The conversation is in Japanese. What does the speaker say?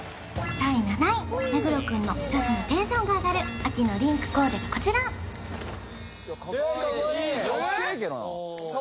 第７位目黒くんの女子のテンションが上がる秋のリンクコーデがこちら・いやかっけーじゃんえっ？